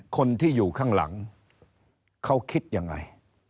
คนที่อยู่ข้างหลังเขาคิดยังไง